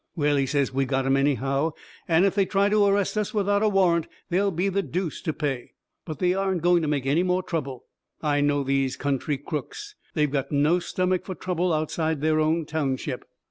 "Well," he says, "we got 'em, anyhow. And if they try to arrest us without a warrant there'll be the deuce to pay. But they aren't going to make any more trouble. I know these country crooks. They've got no stomach for trouble outside their own township."